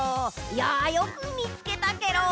いやよくみつけたケロ。